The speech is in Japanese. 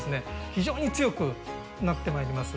非常に強くなってまいります。